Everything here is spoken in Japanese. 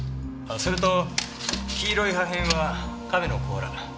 あっそれと黄色い破片は亀の甲羅。